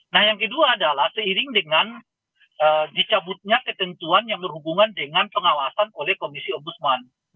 nah yang kedua adalah seiring dengan dicabutnya ketentuan yang berhubungan dengan pengawasan oleh komisi ombudsman